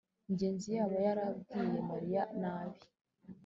ngenzi yaba yarabwiye mariya? nabi